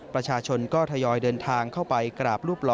ประชาชนก็ทยอยเดินทางเข้าไปกราบรูปหล่อ